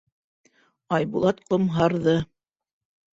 Айбулат ҡомһарҙы.